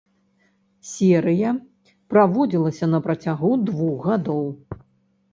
Серыя праводзілася на працягу двух гадоў.